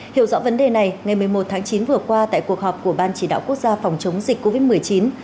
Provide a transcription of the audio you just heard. hiểu rõ vấn đề này ngày một mươi một tháng chín vừa qua tại cuộc họp của ban chỉ đạo quốc gia phòng chống dịch covid một mươi chín